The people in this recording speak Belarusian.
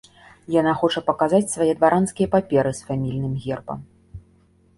Яна хоча паказаць свае дваранскія паперы з фамільным гербам.